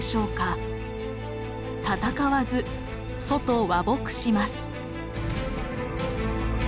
戦わず楚と和睦します。